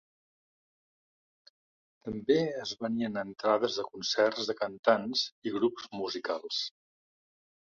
També es venien entrades de concerts de cantants i grups musicals.